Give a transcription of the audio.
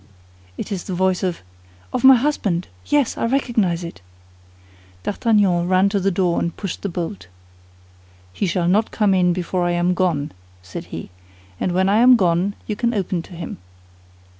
"It is the voice of—" "Of my husband! Yes, I recognize it!" D'Artagnan ran to the door and pushed the bolt. "He shall not come in before I am gone," said he; "and when I am gone, you can open to him."